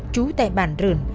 chú tại bản rửn